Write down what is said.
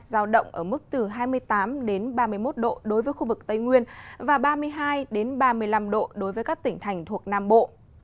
giao động ở mức từ hai mươi tám ba mươi một độ đối với khu vực tây nguyên và ba mươi hai ba mươi năm độ đối với các tỉnh thành thuộc nam bộ